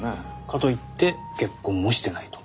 かといって結婚もしてないと。